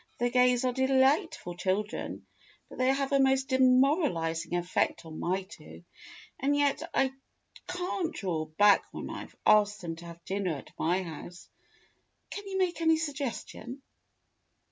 The Gays are de lightful children, but they have a most demoralizing effect on my two. And yet I can't draw back when I've asked them to have dinner at my house. Can you make any suggestion.